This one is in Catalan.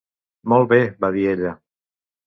"Molt bé", va dir ella.